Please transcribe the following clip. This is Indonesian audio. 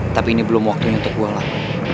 tapi ini belum waktunya untuk gue lah